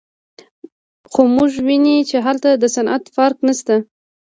خو موږ ویني چې هلته د صنعت څرک نشته